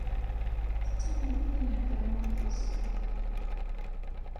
Tettamneḍ tin i iheddṛen aṭas?